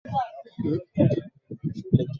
Makabila yote, yanakufahamu